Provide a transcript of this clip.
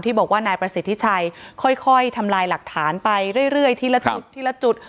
บอกว่านายประสิทธิชัยค่อยทำลายหลักฐานไปเรื่อยทีละจุดทีละจุด